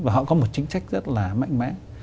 và họ có một chính sách rất là mạnh mẽ